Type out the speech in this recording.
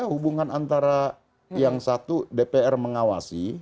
hubungan antara yang satu dpr mengawasi